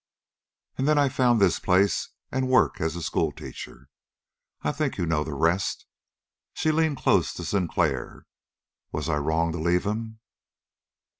And then I found this place and work as a schoolteacher. I think you know the rest." She leaned close to Sinclair. "Was I wrong to leave him?"